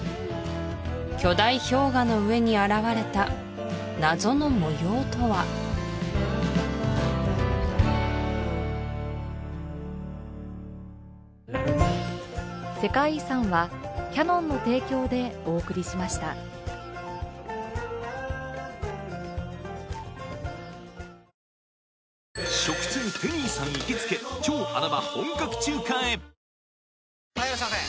巨大氷河の上に現れた謎の模様とは・はいいらっしゃいませ！